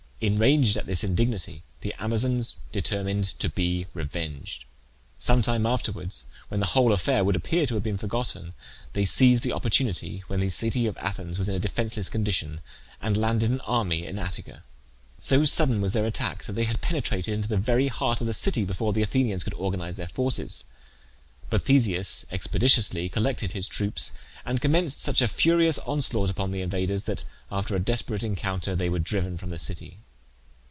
Enraged at this indignity the Amazons determined to be revenged. Some time afterwards, when the whole affair would appear to have been forgotten, they seized the opportunity when the city of Athens was in a defenceless condition and landed an army in Attica. So sudden was their attack that they had penetrated into the very heart of the city before the Athenians could organize their forces; but Theseus expeditiously collected his troops and commenced such a furious onslaught upon the invaders that, after a desperate encounter, they were driven from the city.